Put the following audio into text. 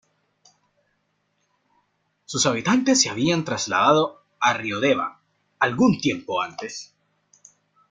Sus habitantes se habían trasladado a Riodeva algún tiempo antes.